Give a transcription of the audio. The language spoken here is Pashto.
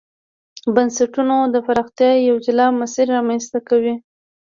د بنسټونو د پراختیا یو جلا مسیر رامنځته کړ.